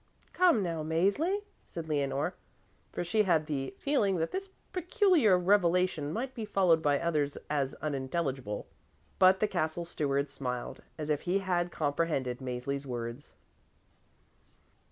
"Come now, Mäzli," said Leonore, for she had the feeling that this peculiar revelation might be followed by others as unintelligible. But the Castle Steward smiled, as if he had comprehended Mäzli's words.